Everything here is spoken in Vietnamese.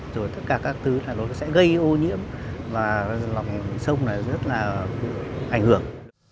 rồi tất cả các thứ là nó sẽ gây ô nhiễm và lòng sông này rất là ảnh hưởng